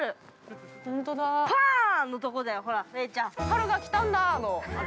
春が来たんだーの、あの。